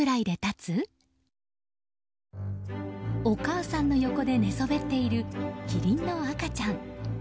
お母さんの横で寝そべっているキリンの赤ちゃん。